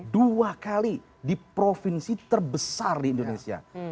dua kali di provinsi terbesar di indonesia